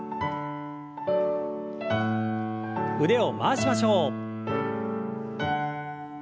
腕を回しましょう。